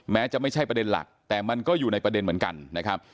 แม้จะไม่ใช่ประเด็นหลักแต่มันก็อยู่ในประเด็นเหมือนกันนะครับ